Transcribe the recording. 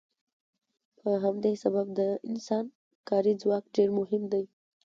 په همدې سبب د انسان کاري ځواک ډیر مهم دی.